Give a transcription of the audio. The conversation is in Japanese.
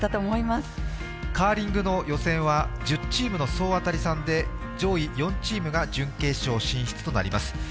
カーリングの予選は１０チームの総当たり戦で、上位４チームが準決勝進出となります。